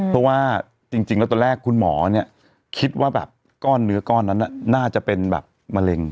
เพราะว่าจริงแล้วตอนแรกคุณหมอเนี่ยคิดว่าแบบก้อนเนื้อก้อนนั้นน่าจะเป็นแบบมะเร็ง